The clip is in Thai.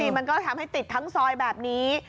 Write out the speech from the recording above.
มันก็ทำให้ติดทั้งซอยแบบนี้